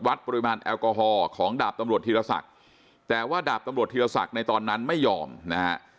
วัดปริมาณแอลกอฮอล์ของดาบตำรวจธีรศักดิ์แต่ว่าดาบตำรวจธีรศักดิ์ในตอนนั้นไม่ยอมนะฮะ